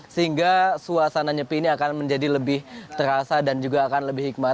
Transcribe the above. sehingga suasananya penyepi ini akan menjadi lebih terasa dan juga akan lebih hikmah